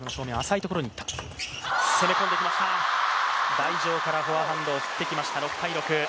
台上からフォアハンドを振ってきました。